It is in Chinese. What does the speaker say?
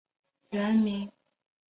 原名昌枢。